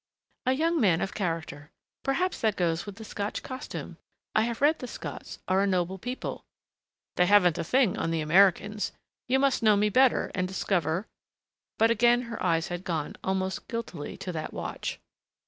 "A young man of character! Perhaps that goes with the Scotch costume. I have read the Scots are a noble people." "They haven't a thing on the Americans. You must know me better and discover " But again her eyes had gone, almost guiltily, to that watch.